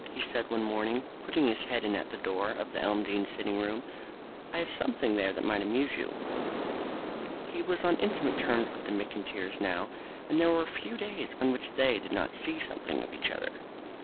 he said one morning, putting his head in at the door of the Elmdene sitting room. "I have something there that might amuse you." He was on intimate terms with the McIntyres now, and there were few days on which they did not see something of each other.